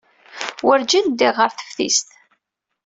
Werǧin ddiɣ ɣer teftist.